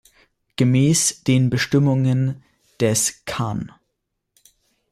Gemäß den Bestimmungen des can.